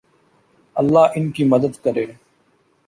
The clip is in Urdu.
اللہ ان کی مدد کرے